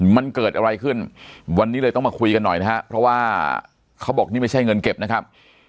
มันเกิดอะไรขึ้นวันนี้เลยต้องมาคุยกันหน่อยนะครับเพราะว่าเขาบอกนี่ไม่ใช่เงินเก็บนะครับ